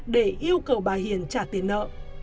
để yêu cầu bà hiền trả tiền nợ